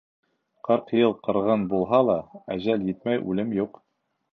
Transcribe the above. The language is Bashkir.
Ҡырҡ йыл ҡырғын булһа ла, әжәл етмәй үлем юҡ.